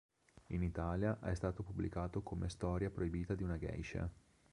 In Italia è stato pubblicato come "Storia proibita di una Geisha.